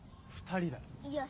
２人だ。